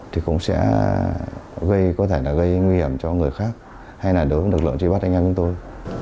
thì cũng sẽ gây có thể là gây nguy hiểm cho người khác hay là đối với lực lượng truy bắt anh em chúng tôi